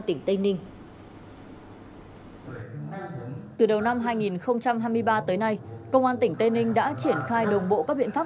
tỉnh tây ninh từ đầu năm hai nghìn hai mươi ba tới nay công an tỉnh tây ninh đã triển khai đồng bộ các biện pháp